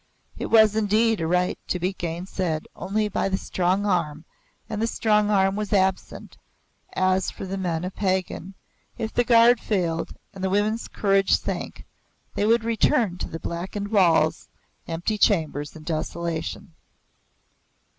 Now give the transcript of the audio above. It was indeed a right to be gainsaid only by the strong arm, and the strong arm was absent; as for the men of Pagan, if the guard failed and the women's courage sank, they would return to blackened walls, empty chambers and desolation.